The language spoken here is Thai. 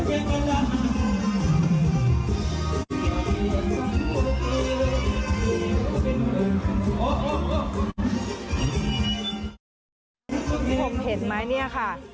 พี่พ่อเห็นไหมเนี่ยค่ะ